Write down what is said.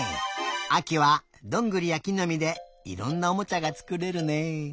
あきはどんぐりやきのみでいろんなおもちゃがつくれるね。